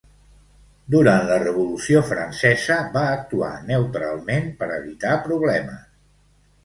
Durant la Revolució francesa, va actuar neutralment per evitar problemes.